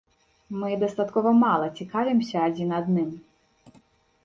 Мы дастаткова мала цікавімся адзін адным.